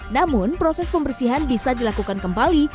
namun proses pembersihan bisa dilakukan kembali